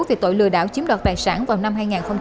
thì tội lừa đảo chiếm đoạt tài sản vào năm hai nghìn một mươi bốn